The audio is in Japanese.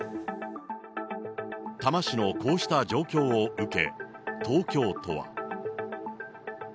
多摩市のこうした状況を受け、東京都は。